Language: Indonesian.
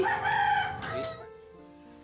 ah gak usah kak